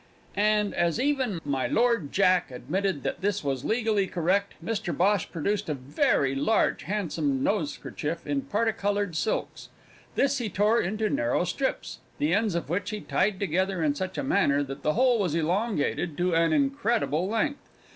And, as even my Lord Jack admitted that this was legally correct, Mr Bhosh produced a very large handsome nosekerchief in parti coloured silks. This he tore into narrow strips, the ends of which he tied together in such a manner that the whole was elongated to an incredible length.